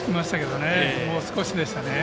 もう少しでしたね。